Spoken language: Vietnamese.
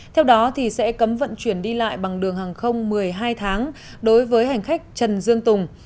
theo đó sẽ cấm vận chuyển đi lại bằng đường hàng không một mươi hai tháng đối với hành khách trần dương tùng